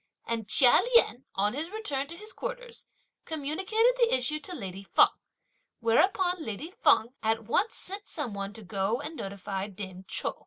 And Chia Lien, on his return to his quarters, communicated the issue to lady Feng; whereupon lady Feng at once sent some one to go and notify dame Chou.